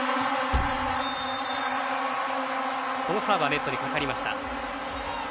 このサーブはネットにかかりました。